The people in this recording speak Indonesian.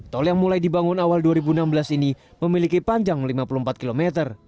tol yang mulai dibangun awal dua ribu enam belas ini memiliki panjang lima puluh empat km